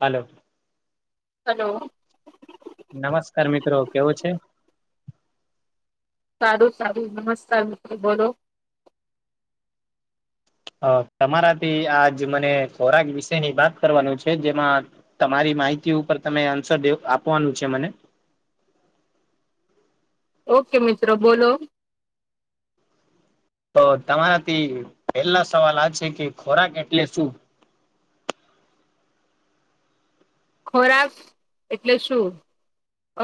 hello hello નમસ્કાર મિત્રો કેવો છે સારું સારું નમસ્કાર મિત્ર બોલો અ તમારાથી આજ મને ખોરાક વિશેની વાત કરવાનું છે જેમાં તમારી માહિતી ઉપર તમે આન્સર આપવાનું છે મને ઓકે મિત્રો બોલો તો તમારાથી પહેલા સવાલ આ છે કે ખોરાક એટલે શું ખોરાક એટલે શું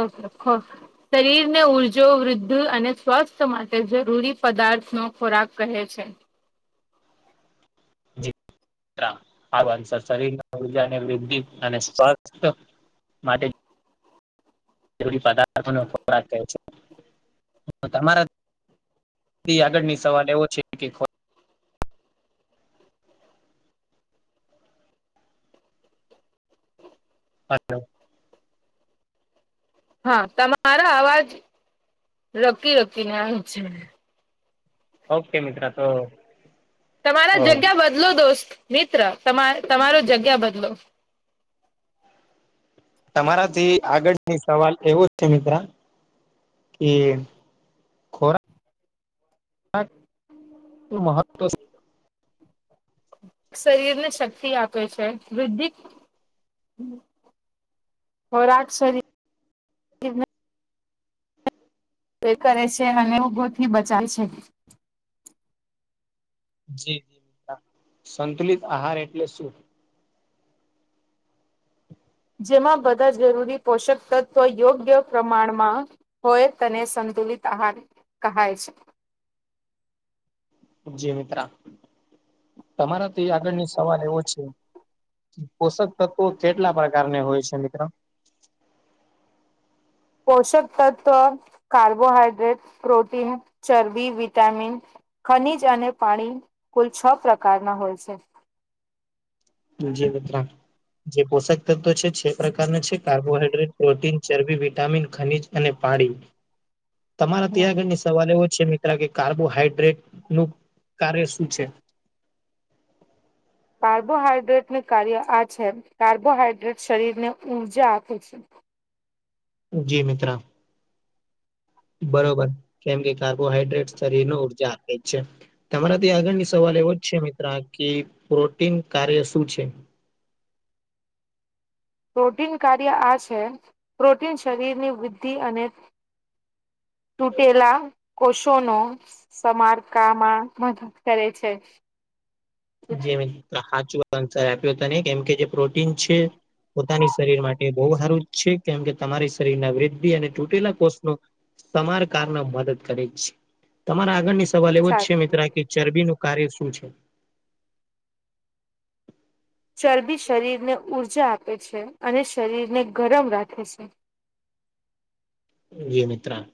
ઓકે શરીર ને ઉર્જા વૃદ્ધિ અને સ્વાસ્થ્ય માટે જરૂરી પદાર્થ નો ખોરાક કહે છે જી શરીર ઉર્જાને વૃદ્ધિ અને સ્વાસ્થ્ય માટે જરૂરી પદાર્થોને ખોરાક કહે છે તમારા આગળનો સવાલ એવો છે કે હલો હા તમારો અવાજ રોકી રોકીને આવી છે ઓકે મિત્ર તો તમારા અ જગ્યા બદલો દોસ્ત મિત્ર તમારો જગ્યા બદલો તમારાથી આગળની સવાલ એવો છે મિત્ર એ ખોરા મહત્વ સમ શરીર ને શક્તિ આપે છે વૃદ્ધિ હો રાટ સરી એ કરે છે અને રોગો થી બચાવે છેં જી સંતુલિત આહાર એટલે શું જેમાં બધા જરૂરી પોષક તત્વ યોગ્યવયોગ પ્રમાણમાં હોય તેને સંતુલિત આહાર કહેવાય છે જી મિત્ર તમારાથી આગળની સવાલ એવો છે પોષક તત્વો કેટલા પ્રકારના હોય છે મિત્ર પોષક તત્વ કાર્બોહાઈડ્રેટ પ્રોટીન ચરબી વિટામિન ખનીજ અને પાણી કુલ છ પ્રકારના હોય છે જો મિત્ર જે પોષક તત્વો છે છ પ્રકારના છે કાર્બોહાઈડ્રેટ પ્રોટીન ચરબી વિટામિન ખનીજ અને પાણી તમારા ત્યાં હમ આગળની સવાલ એવો છે મિત્ર કે કાર્બોહાઈડ્રેટ નું કાર્ય શું છે કાર્બોહાઈડ્રેટને કાર્ય આ છે કાર્બોહાઈડ્રેટ શરીરને ઊર્જા આપે છે જી મિત્ર બરોબર કેમ કે કાર્બોહાઈડ્રેટ શરીર ન ઉર્જાે છે તમારાથી આગળની સવાલ એવો જ છે મિત્ર કે પ્રોટીન કાર્ય શું છે પ્રોટીન કાર્ય આ છે પ્રોટીન શરીરની વૃદ્ધિ અને તૂટેલા કોષો નો સમારકામાં મદદ કરે છે જે મિત્ર હાચુ આન્સર આપ્યો તને કેમ કે જે પ્રોટીન છે પોતાની શરીર માટે બહુ સારું છે કેમ કે તમારી શરીર ના વૃદ્ધ તૂટેલા કોષનો સમાર કાર મદદ કરે છે તમારા આગળની સવાલ એવો જ છે સારું મિત્ર કે ચરબીનું કાર્ય શું છે ચરબી શરીર ને ઊર્જા આપે છે અને શરીરને ગરમ રાખે છે એ મિત્રા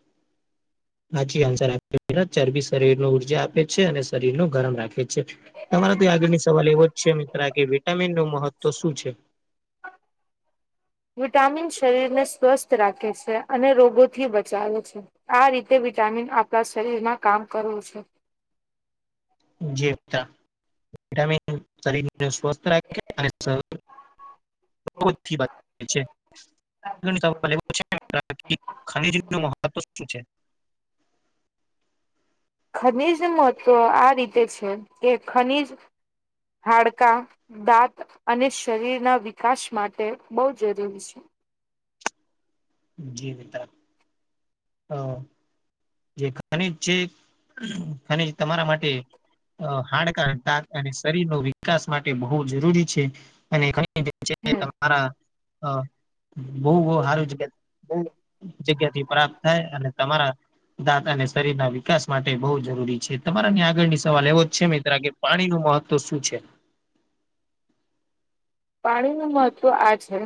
હાચી આન્સર આપ્યો ચરબી શરીર ન ઉર્જા આપે છે અને શરીર નું ગરમ રાખે છે તમારા તો આગળની સવાલ એવો જ છે મિત્ર કે વિટામિન નો મહત્વ શું છે વિટામિન શરીરને સ્વસ્થ રાખે છે અને રોગોથી બચાવે છે આ રીતે વિટામિન આપણા શરીરમાં કામ કરવું છે જે વિટામિન શરીરને સ્વસ્થ રાખે અને [unintelligible] [unintelligible] ખનીજ મહત્વ આ રીતે છે કે ખનીજ હાડકા દાંત અને શરીર ના વિકાસ માટે બહુ જરૂરી છે જી મિત્ર અ જે ખનીજ છે અને તમારા માટે હાડકા [unintelligible] અને શરીર નો વિકાસ માટે બહુ જરૂરી છે અને હમ [unintelligible] હા અ બહુ સારું [unintelligible] બ જગ્યા થી પ્રાપ્ત થાય અને તમારા દાંત અને શરીર ના વિકાસ માટે બહુ જરૂરી છે તમારાની આગળની સવાલ એવો જ છે મિત્ર કે પાણી નું મહત્વ શું છે પાણી નો મહત્વ આ છે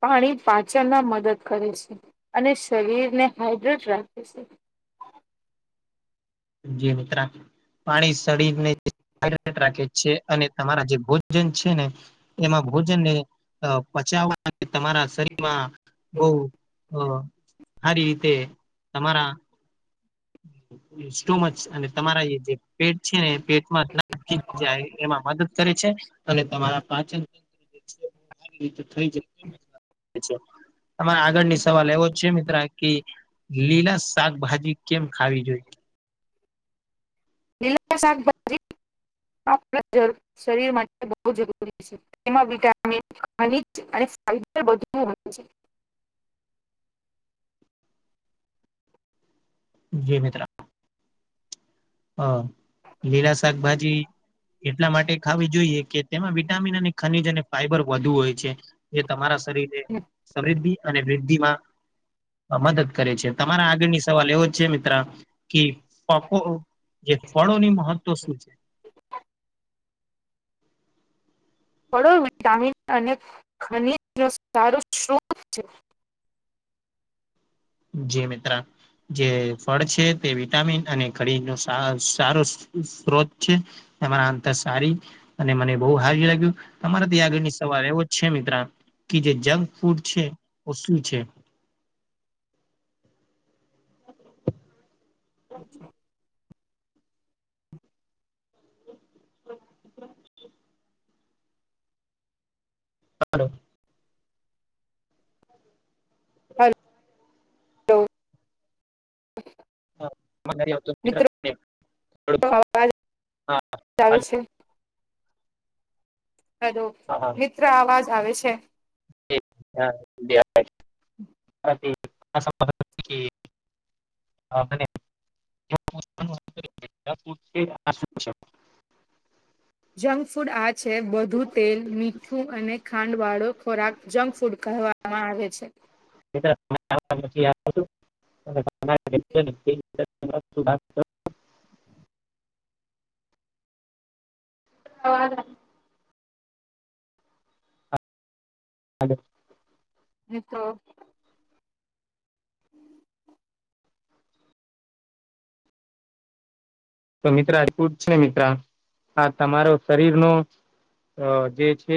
પાણી પાચનમાં મદદ કરે છે અને શરીરને હાઈડ્રેટ રાખે છે જી મિત્ર પાણી શરીર ને હયદ્રેડ રાખે છે અને તમારા જે ભોજન છે ને એમાં ભોજનને પચાવવા તમારા શરીરમાં બહ અ હારી રીતે તમારા સો મચ અને તમારા જે પેટ છે ને પેટમાં જાય એમાં મદદ કરે છે અને તમારા પાચન તંત્ર જે ર [unintelligible] તમારે આગળની સવાલ એવો છે મિત્ર કે લીલા શાકભાજી કેમ ખાવી જોઈએ લીલા શાકભાજી આપણા શરીર માટે બહ જરૂરી છે તેમાં વિટામિન ખનીજ અને ફાયબર બધું હોયે છે જી મિત્ર અ લીલા શાકભાજી એટલા માટે ખાવી જોઈએ કે તેમાં વિટામિન અને ખનીજ અને ફાઈબર વધુ હોય છે એ તમારા શરીર છે સમૃદ્ધિ અને વૃદ્ધિમાં મદદ કરે છે તમારા આગળની સવાલ એવો જ છે મિત્ર કી [unintelligible] જે ફળો ની મહત્વ શું છે ફળો વિટામીન અને ખનીજ નો સારો સ્ત્રોત છે જી મિત્ર જે ફળ છે તે વિટામિન અને ખનિજ નો સારો સ્ત્રોત છે એરા અંતર સારી અને મને બહુ હાર લાગ્યું તમારે તી આગળની સવાલ એવો જ છે મિત્ર કે જે જંક ફૂડ છે ઓ શું છે હલો હલો મિત્રો અવાજ આવે છે હલો હા મિત્ર અવાજ આવે છે [unintelligible] જંક ફૂડ આ છે બધું તેલ મીઠું અને ખાંડ વાળો ખોરાક જંક ફૂડ કહેવાય માં આવે છે [unintelligible] આગળ હ તો તો મિત્ર [unintelligible] મિત્ર આ તમારો શરીર નો અ જે છે